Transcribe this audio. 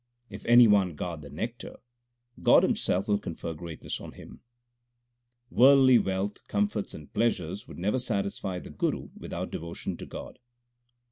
If any one guard the nectar, God Himself will confer greatness on him. Worldly wealth, comforts, and pleasures would never satisfy the Guru without devotion to God.